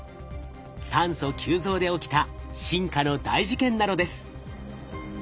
酸素急増で起きた進化の大事件なのです。